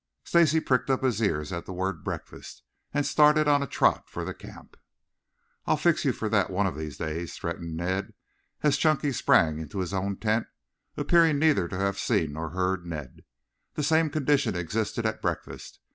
Stacy pricked up his ears at the word "breakfast," and started on a trot for the camp. "I'll fix you for that, one of these days," threatened Ned as Chunky sprang into his own tent, appearing neither to have seen nor heard Ned. The same condition existed at breakfast.